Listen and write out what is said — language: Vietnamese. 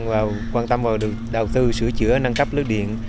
và quan tâm vào được đầu tư sửa chữa nâng cấp lưới điện